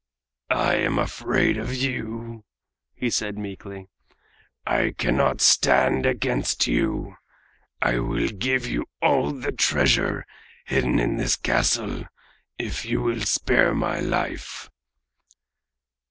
"I am afraid of you," he said meekly. "I cannot stand against you. I will give you all the treasure hidden in this castle if you will spare my life!"